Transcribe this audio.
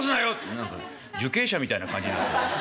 何か受刑者みたいな感じになって。